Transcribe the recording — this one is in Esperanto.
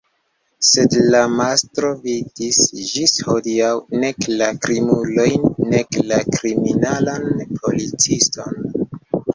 Sed la mastro vidis ĝis hodiaŭ nek la krimulojn nek la kriminalan policiston.